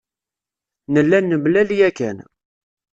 Nella nemlal yakan.